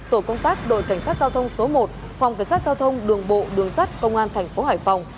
tổ công tác đội cảnh sát giao thông số một phòng cảnh sát giao thông đường bộ đường sắt công an thành phố hải phòng